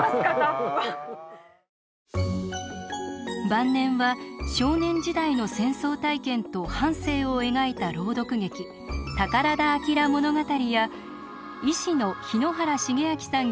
晩年は少年時代の戦争体験と半生を描いた朗読劇「宝田明物語」や医師の日野原重明さん